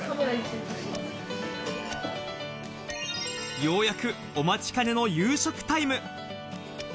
ようやく、お待ちかねの夕食タイム。